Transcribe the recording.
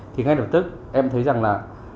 thì ngay lập tức em thấy rằng là